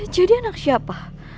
jadi anak siapa